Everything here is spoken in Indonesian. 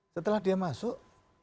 setelah dia masuk